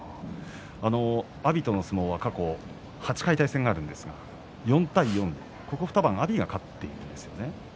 阿炎との相撲は過去８回、対戦があるんですが４対４、ここ２番阿炎が勝っているんです。